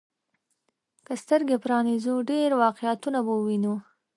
که سترګي پرانيزو، ډېر واقعيتونه به ووينو.